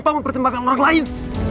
tanpa mempertimbangkan orang lain